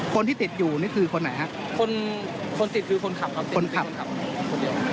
คนที่ติดอยู่นี่คือคนไหนฮะคนคนติดคือคนขับครับคนขับครับคนเดียว